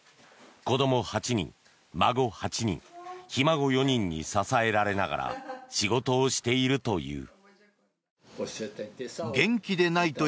子ども８人、孫８人ひ孫４人に支えられながら仕事をしているという。